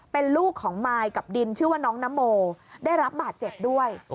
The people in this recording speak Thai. เป็นลูกของมายกับดินชื่อว่าน้องนโมได้รับบาดเจ็บด้วย